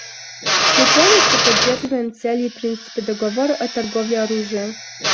Мы полностью поддерживаем цели и принципы договора о торговле оружием.